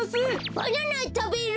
バナナたべる！